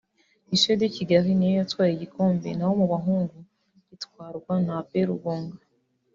Lycée de Kigali ni yo yatwaye igikombe na ho mu bahungu gitwarwa na Ap Rugunga